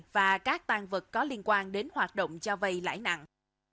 và các tàn vật có liên quan đến hoạt động cho vai lãi nặng